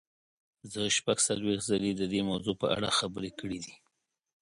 زه شپږ څلوېښت ځلې د دې موضوع په اړه خبرې کړې دي.